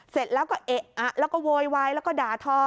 เสร็จแล้วก็เอะอะแล้วก็โวยวายแล้วก็ด่าทอ